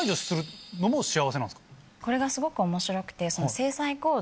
これがすごく面白くて。